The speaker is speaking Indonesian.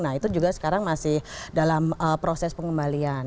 nah itu juga sekarang masih dalam proses pengembalian